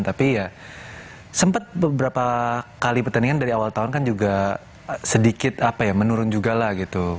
tapi ya sempat beberapa kali pertandingan dari awal tahun kan juga sedikit apa ya menurun juga lah gitu